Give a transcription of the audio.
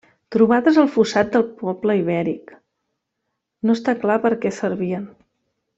Trobades al fossat de poble ibèric, no està clar per a què servien.